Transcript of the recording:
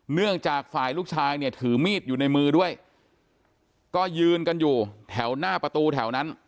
เนื่องจากฝ่ายลูกชายเนี่ยถือมีดอยู่ในมือด้วยก็ยืนกันอยู่แถวหน้าประตูแถวนั้น